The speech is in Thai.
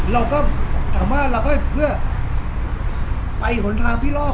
เราก็ถามว่าเราก็เพื่อไปหนทางพี่รอบ